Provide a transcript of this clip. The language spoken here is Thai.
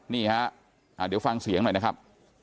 นี่ฮะเดี๋ยวฟังเสียงหน่อยนะครับ